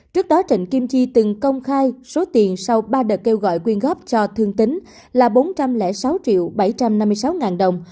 trước đó trịnh kim chi từng công khai số tiền sau ba đợt kêu gọi quyên góp cho thương tính là bốn trăm linh sáu triệu bảy trăm năm mươi sáu ngàn đồng